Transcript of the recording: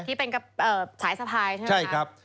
ที่เป็นกับสายสภายใช่ไหมคะใช่ครับ